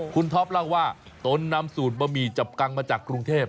คุณท็อปเล่าว่าตนนำสูตรบะหมี่จับกังมาจากกรุงเทพ